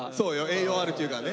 栄養あるっていうからね。